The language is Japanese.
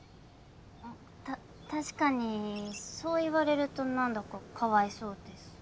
た確かにそう言われると何だかかわいそうです。